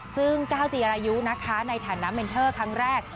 ซึ่งก้าวจีรายุนะคะในฐานะเมนเทอร์ครั้งแรก